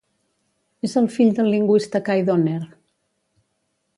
És el fill del lingüista Kai Donner.